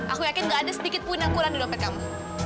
aku yakin gak ada sedikit pun yang kurang di dompet kamu